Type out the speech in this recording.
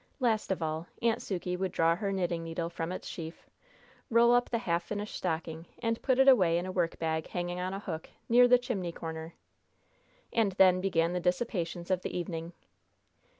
Last of all, Aunt Sukey would draw her knitting needle from its sheaf, roll up the half finished stocking, and put it away in a workbag hanging on a hook, near the chimney corner. And then began the dissipations of the evening.